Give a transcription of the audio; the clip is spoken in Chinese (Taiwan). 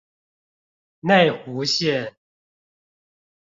內湖線